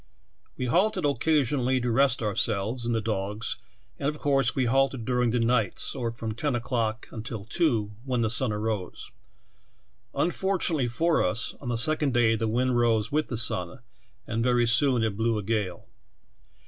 We halted occasionally to rest ourselves and the dogs, and, of course, we halted during the nights, or from ten o'clock until two, when the sun rose. Unfortunately for us, on the second day the wind rose with the sun, and very soon it blew a gale.